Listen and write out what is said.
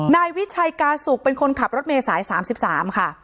นายวิชัยกาสุกเป็นคนขับรถเมษาย๓๓ค่ะ